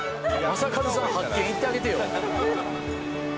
正和さん８軒行ってあげてよ。